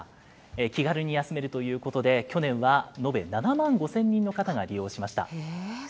気軽に休めるということで、去年は延べ７万５０００人の方が利用しました。